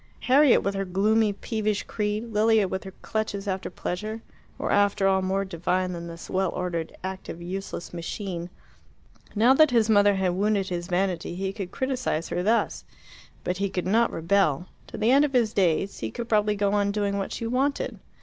Harriet with her gloomy peevish creed, Lilia with her clutches after pleasure, were after all more divine than this well ordered, active, useless machine. Now that his mother had wounded his vanity he could criticize her thus. But he could not rebel. To the end of his days he could probably go on doing what she wanted.